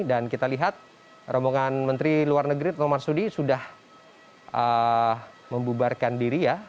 dan kita lihat rombongan menteri luar negeri retno marsudi sudah membubarkan diri ya